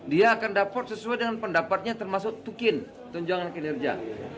dia akan dapat sesuai dengan pendapatnya termasuk tukin tunjangan kinerja